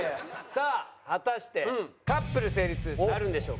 さあ果たしてカップル成立なるんでしょうか？